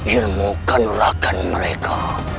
ilmukan rakan mereka